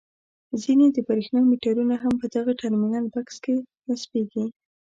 ځینې د برېښنا میټرونه هم په دغه ټرمینل بکس کې نصبیږي.